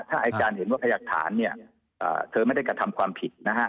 ถ้าอายการเห็นว่าพยากฐานเธอไม่ได้กระทำความผิดนะฮะ